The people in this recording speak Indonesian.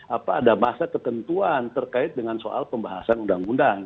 apa ada masa ketentuan terkait dengan soal pembahasan undang undang